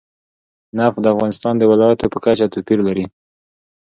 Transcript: نفت د افغانستان د ولایاتو په کچه توپیر لري.